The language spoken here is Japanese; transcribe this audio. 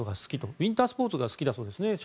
ウィンタースポーツが好きだそうですね。